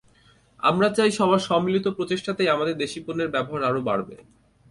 আমরা চাই সবার সম্মিলিত প্রচেষ্টাতেই আমাদের দেশি পণ্যের ব্যবহার আরা বাড়বে।